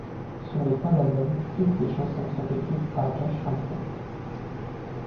Sur les trois albums, toutes les chansons sont écrites par Josh Ramsay.